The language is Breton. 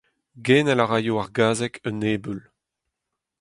Genel a raio ar gazeg un ebeul.